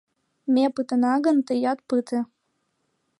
Ме пытена гын, тыят пыте!